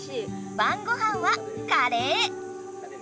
ばんごはんはカレー！